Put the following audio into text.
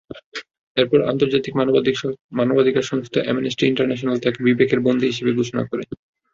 এরপর আন্তর্জাতিক মানবাধিকার সংস্থা অ্যামনেস্টি ইন্টারন্যাশনাল তাঁকে বিবেকের বন্দী হিসেবে ঘোষণা করে।